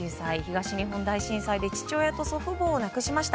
東日本大震災で父親と祖父母を亡くしました。